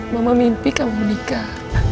mama mimpi kamu menikah